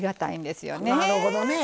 なるほどね。